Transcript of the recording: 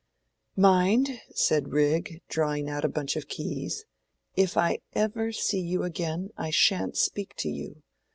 "Mind," said Rigg, drawing out a bunch of keys, "if I ever see you again, I shan't speak to you.